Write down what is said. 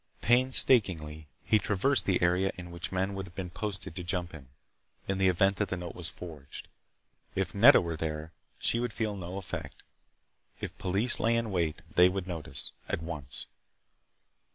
Painstakingly, he traversed the area in which men would have been posted to jump him, in the event that the note was forged. If Nedda were there, she would feel no effect. If police lay in wait, they would notice. At once.